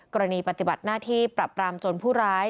ปฏิบัติหน้าที่ปรับรามจนผู้ร้าย